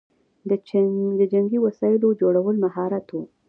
د جنګي وسایلو جوړول مهارت و